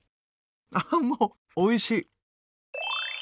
ああもうおいしい！